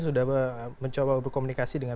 sudah mencoba berkomunikasi dengan